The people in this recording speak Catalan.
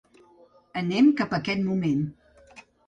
Anem cap a aquest moment.